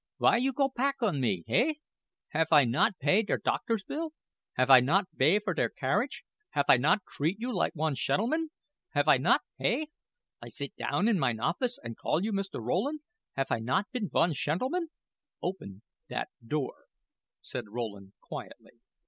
Vwhy you go pack on me, hey? Haf I not bay der doctor's bill? Haf I not bay for der carriage? Haf I not treat you like one shentleman? Haf I not, hey? I sit you down in mine office and call you Mr. Rowland. Haf I not been one shentleman?" "Open that door," said Rowland, quietly.